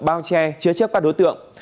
bao che chứa chấp các đối tượng